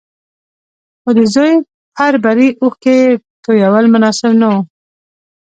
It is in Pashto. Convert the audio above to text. خو د زوی پر بري اوښکې تويول مناسب نه وو.